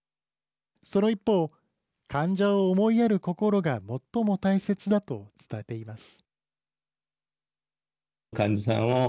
その一方、患者を思いやる心が最も大切だと伝えています。